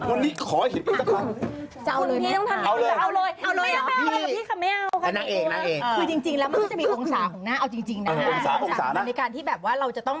วันนี้ขอเห็นอีกสักครั้ง